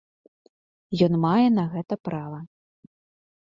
Ён мае на гэта права.